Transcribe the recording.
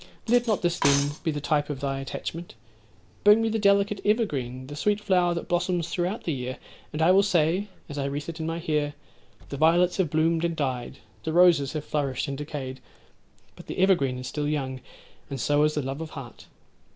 Let not this, then, be the type of thy attachment; bring me the delicate evergreen, the sweet flower that blossoms throughout the year, and I will say, as I wreathe it in my hair, "The violets have bloomed and died—the roses have flourished and decayed; but the evergreen is still young, and so is the love of heart!"